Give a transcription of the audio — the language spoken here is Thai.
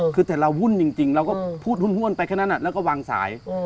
คือแต่เราวุ่นจริงเราก็พูดห้วนไปแค่นั้นแล้วก็วางสาย